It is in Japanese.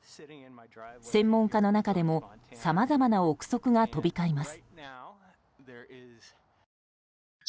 専門家の中でもさまざまな憶測が飛び交います。